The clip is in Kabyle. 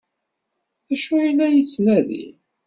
D acu ay la yettnadi?